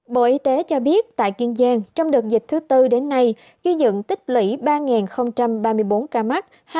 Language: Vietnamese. bộ y tế cho biết tại kiên giang trong đợt dịch thứ tư đến nay ghi nhận tích lũy ba ba mươi bốn ca mắc